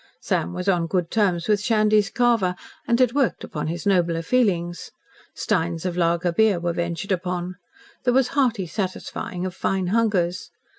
Sam was on good terms with Shandy's carver, and had worked upon his nobler feelings. Steins of lager beer were ventured upon. There was hearty satisfying of fine hungers.